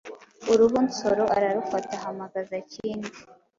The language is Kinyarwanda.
Uruhu Nsoro ararufata ahamagaza Kindi,